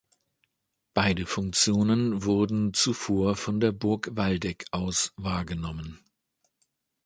Beide Funktionen wurden zuvor von der Burg Waldeck aus wahrgenommen.